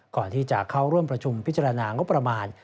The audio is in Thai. ก่อนที่จะเข้าร่วมประชุมพิจารณางบประมาณ